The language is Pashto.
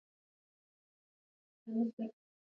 د افغانستان د موقعیت د افغانستان د زرغونتیا نښه ده.